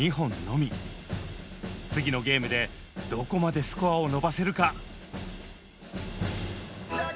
次のゲームでどこまでスコアを伸ばせるか。